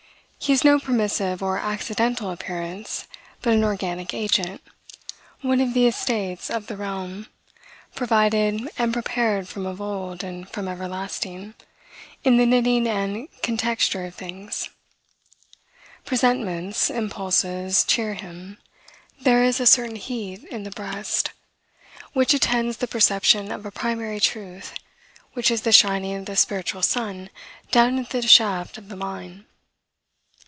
He is no permissive or accidental appearance, but an organic agent, one of the estates of the realm, provided and prepared from of old and from everlasting, in the knitting and contexture of things. Presentiments, impulses, cheer him. There is a certain heat in the breast, which attends the perception of a primary truth, which is the shining of the spiritual sun down into the shaft of the mine.